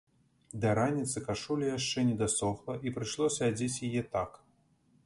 Да раніцы кашуля яшчэ не дасохла і прыйшлося адзець яе так.